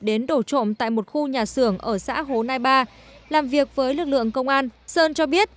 đến đổ trộm tại một khu vực